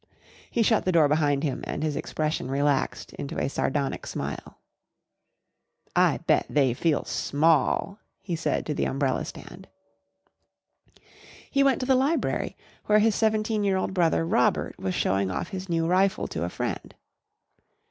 He shut the door behind him and his expression relaxed into a sardonic smile. "I bet they feel small!" he said to the umbrella stand. He went to the library, where his seventeen year old brother Robert was showing off his new rifle to a friend.